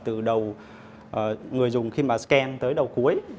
từ đầu người dùng khi mà scan tới đầu cuối